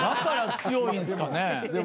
だから強いんすかね。